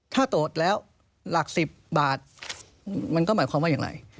ถ้าตรวจแล้วหลัก๑๐บาทมันก็หมายความว่าอย่างไร